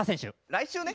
来週ね！